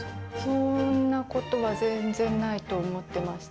そんなことは全然ないと思ってました。